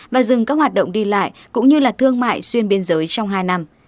và dừng các hoạt động đi lại cũng như là thương mại xuyên biên giới trong hai năm